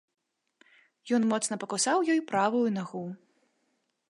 Ён моцна пакусаў ёй правую нагу.